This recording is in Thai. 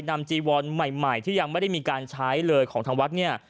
จีวอนใหม่ที่ยังไม่ได้มีการใช้เลยของทางวัดเนี่ย